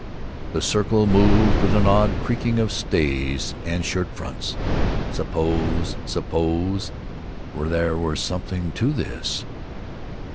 The circle moved with an awed creaking of stays and shirtfronts. "Suppose suppose there were something to this?"